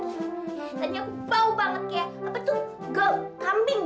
ternyata aku bau banget kayak apa tuh gel kambing